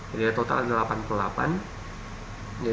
jadi total ada delapan puluh delapan